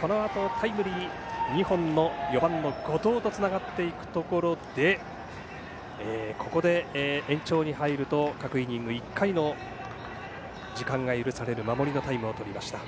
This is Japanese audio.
このあと、タイムリー２本の４番の後藤とつながっていくところでここで延長に入ると各イニング１回の時間が許される守りのタイムを取りました。